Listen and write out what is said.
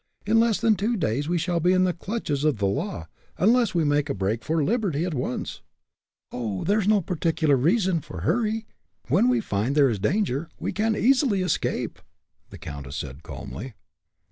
In less than two days we shall be in the clutches of the law, unless we make a break for liberty at once." "Oh! there is no particular reason for hurry. When we find there is danger, we can easily escape," the countess said, calmly.